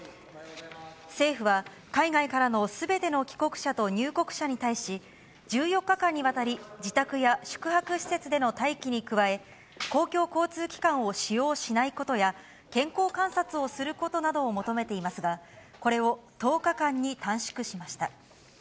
政府は、海外からのすべての帰国者と入国者に対し、１４日間にわたり、自宅や宿泊施設での待機に加え、公共交通機関を使用しないことや、健康観察をすることなどを求めていますが、これを１０日間に短縮しました。